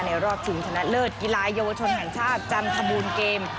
รอบชิงชนะเลิศกีฬาเยาวชนแห่งชาติจันทบูรณ์เกม